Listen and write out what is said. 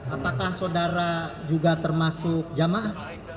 apakah saudara juga termasuk jamaah